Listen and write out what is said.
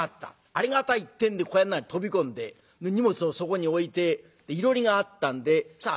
「ありがたい」ってんで小屋の中に飛び込んで荷物をそこに置いていろりがあったんでさあ